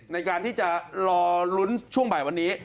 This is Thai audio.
ในการที่จะรอลุ้นช่วงบ่ายวันนี้